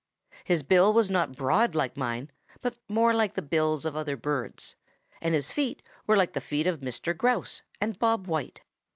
His bill was not broad like mine but more like the bills of other birds, and his feet were like the feet of Mr. Grouse and Bob White.